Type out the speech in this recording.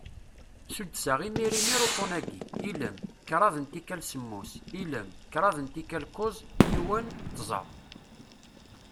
Suddseɣ imir imir uṭṭun-agi: ilem, kraḍ n tikal semmus, ilem, kraḍ n tikal kuẓ, yiwen, tẓa.